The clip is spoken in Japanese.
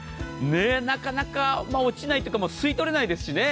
なかなか落ちないというか吸い取れないですしね。